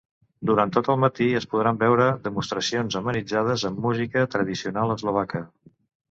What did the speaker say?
Durant tot el matí es podran veure demostracions amenitzades amb música tradicional eslovaca.